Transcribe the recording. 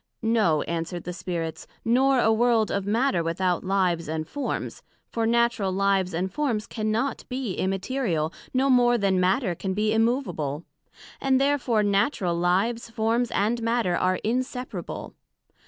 No, answered the Spirits; nor a world of Matter without Lives and Forms; for Natural Lives and Forms cannot be immaterial, no more then Matter can be immovable. And therefore natural lives, forms and matter, are inseparable.